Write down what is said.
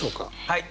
はい。